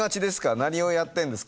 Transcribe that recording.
何をやってんですか？